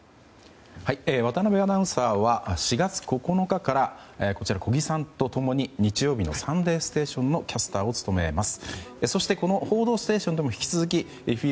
渡辺アナウンサーは４月９日からこちらの小木さんと共に日曜日の「サンデーステーション」のキャスターを務めます。